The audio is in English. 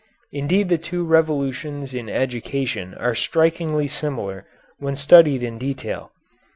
Indeed the two revolutions in education are strikingly similar when studied in detail.